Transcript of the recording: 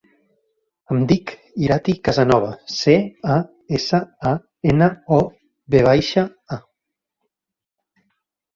Em dic Irati Casanova: ce, a, essa, a, ena, o, ve baixa, a.